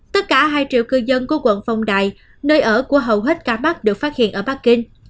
tất cả hai triệu cư dân của quận phong đài nơi ở của hầu hết ca mắc được phát hiện ở bắc kinh